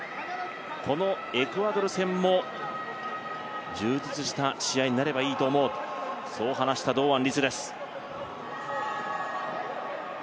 このエクアドル戦も充実した試合になればいいと思うと話した堂安律です。